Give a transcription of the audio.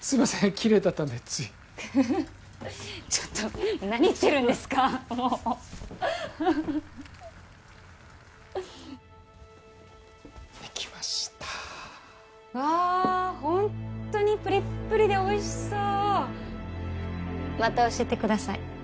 きれいだったんでついフフフッちょっと何言ってるんですかもうできましたわホントにプリップリでおいしそうまた教えてください